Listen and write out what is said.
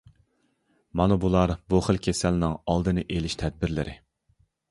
مانا بۇلار بۇ خىل كېسەلنىڭ ئالدىنى ئېلىش تەدبىرلىرى.